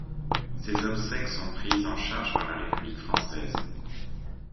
Ses obsèques sont prises en charge par la République française.